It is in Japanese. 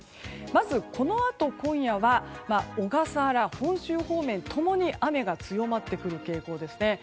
まず、このあと今夜は小笠原、本州方面共に雨が強まってくる傾向ですね。